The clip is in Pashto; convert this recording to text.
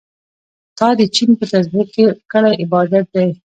تا د چين په تسبو کړی عبادت دی